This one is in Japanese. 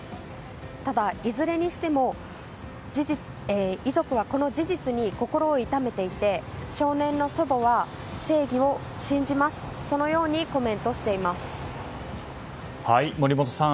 ただ、いずれにしても遺族はこの事実に心を痛めていて少年の祖母は正義を信じます森元さん